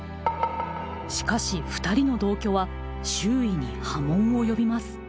しかしふたりの同居は周囲に波紋を呼びます。